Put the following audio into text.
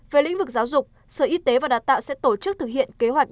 về lĩnh vực giáo dục sở y tế và đào tạo sẽ tổ chức thực hiện kế hoạch